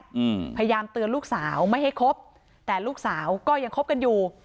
อืมพยายามเตือนลูกสาวไม่ให้คบแต่ลูกสาวก็ยังคบกันอยู่